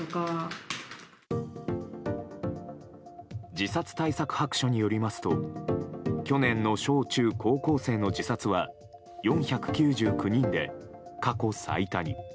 自殺対策白書によりますと去年の小中高校生の自殺は４９９人で過去最多に。